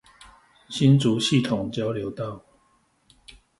新竹系統交流道